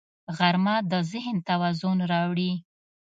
غرمه د ذهن توازن راوړي